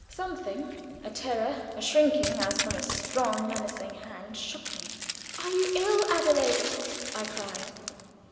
Something a terror, a shrinking as from a strong menacing hand shook me. "Are you ill, Adelaide?" I cried.